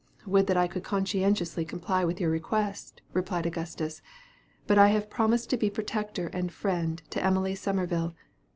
"Would that I could conscientiously comply with your request," replied Augustus, "but I have promised to be protector and friend to Emily Summerville.